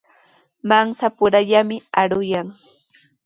Mashapurallami aruyan.